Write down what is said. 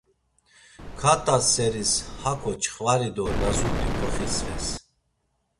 Kat̆a seris haǩo çxvari do lazut̆i koxisves.